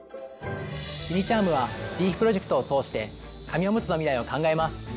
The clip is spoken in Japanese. ユニ・チャームはＲｅｆＦプロジェクトを通して紙おむつの未来を考えます。